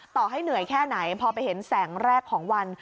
ให้เหนื่อยแค่ไหนพอไปเห็นแสงแรกของวัน